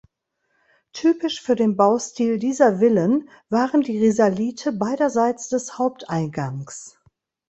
Typisch für den Baustil dieser Villen waren die Risalite beiderseits des Haupteingangs.